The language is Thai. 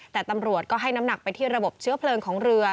แต่ตำรวจก็ให้น้ำหนักไปที่ระบบเชื้อเพลิงของเรือ